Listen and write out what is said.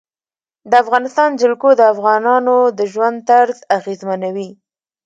د افغانستان جلکو د افغانانو د ژوند طرز اغېزمنوي.